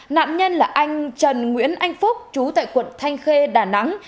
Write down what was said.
nạn nhân là anh trần nguyễn anh phúc chú tại quận thanh khê đà nẵng